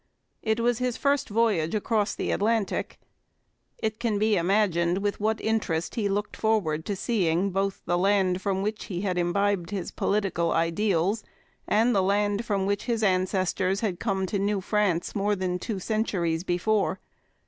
It was his first voyage across the Atlantic. It can be imagined with what interest he looked forward to seeing both the land from which he had imbibed his political ideals and the land from which his ancestors had come to New France more than two centuries before.